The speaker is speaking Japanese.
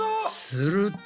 すると。